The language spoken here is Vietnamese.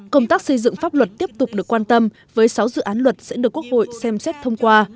công tác xây dựng pháp luật tiếp tục được quan tâm với sáu dự án luật sẽ được quốc hội xem xét thông qua